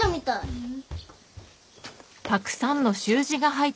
うん。